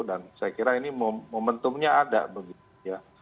dan saya kira ini momentumnya ada begitu ya